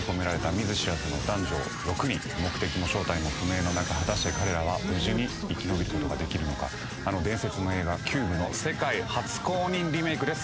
見ず知らずの男女６人目的も正体も不明の中果たして彼らは無事に生き延びることができるのかあの伝説の映画「ＣＵＢＥ」の世界初公認リメイクです